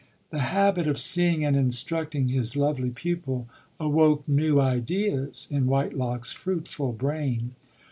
The habit of seeing and instructing his lovely pupil awoke new ideas in Whitelock's fruitful brain.